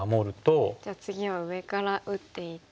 じゃあ次は上から打っていって。